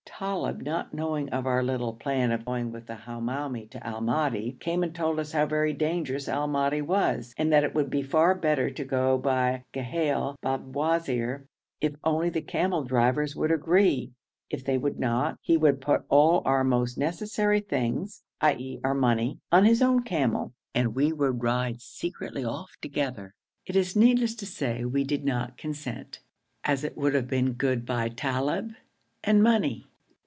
Talib, not knowing of our little plan of going with the Hamoumi to Al Madi, came and told us how very dangerous Al Madi was, and that it would be far better to go by Ghail Babwazir, if only the camel drivers would agree. If they would not, he would put all our most necessary things, i.e. our money, on his own camel, and we would ride secretly off together. It is needless to say we did not consent, as it would have been 'Good bye Talib and money!'